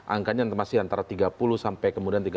angkanya masih antara tiga puluh sampai kemudian tiga puluh